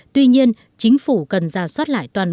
tuy nhiên chính phủ cần ra soát lại toàn bộ danh mục